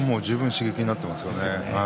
刺激になっていますよね。